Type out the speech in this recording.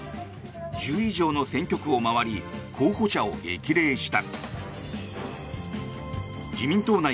１０以上の選挙区を回り候補者を激励した。